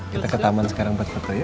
kita ke taman sekarang buat foto yuk